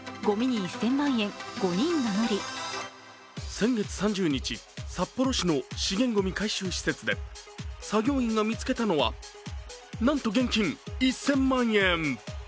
先月３０日、札幌市の資源ごみ回収施設で、作業員が見つけたのは、なんと現金１０００万円。